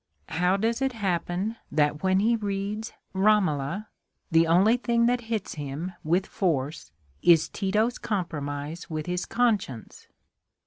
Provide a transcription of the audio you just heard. How does it happen that when he reads "Romola" the only thing that "hits" him "with force" is Tito's compromise with his conscience?